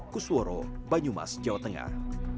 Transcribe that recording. kusworo banyumas jawa tengah